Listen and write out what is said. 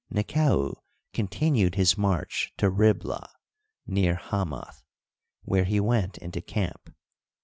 Nekau continued his march to Ribla, near Hamath, where he went into camp.